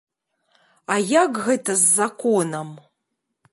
А як гэта з законам?